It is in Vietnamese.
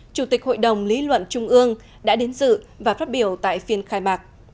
chủ tịch hội đồng lý luận trung ương đã đến dự và phát biểu tại phiên khai mạc